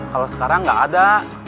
kalau sekarang gak ada